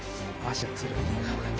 足がつる。